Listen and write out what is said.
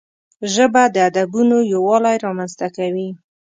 ژبه د ادبونو یووالی رامنځته کوي